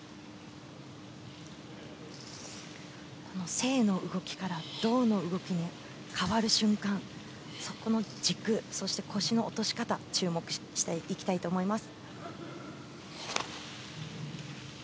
静の動きから動の動きに変わる瞬間、そこの軸そして腰の落とし方注目していきたいと思います。